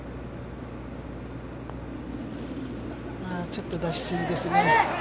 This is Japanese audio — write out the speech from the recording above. ちょっと出しすぎですね。